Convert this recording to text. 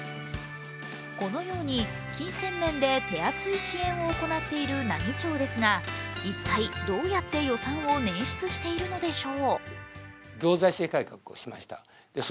このように金銭面で手厚い支援を行っている奈義町ですが一体どうやって予算を捻出しているのでしょう？